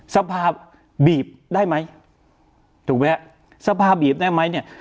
สภาพบีบได้มั้ยถูกมั้ยฮะสภาพบีบได้มั้ยเนี่ย